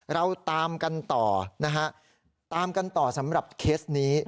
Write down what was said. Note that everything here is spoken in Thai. เราตามกันต่อนะฮะตามกันต่อสำหรับเคสนี้